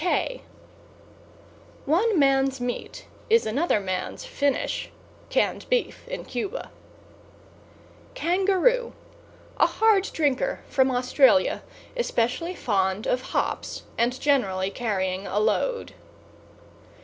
K One man's meat is another man's finish Canned Beef in Cuba. =KANGAROO= A hard drinker from Australia, especially fond of hops, and generally carrying a load.